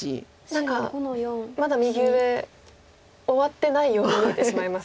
何かまだ右上終わってないように見えてしまいますけど。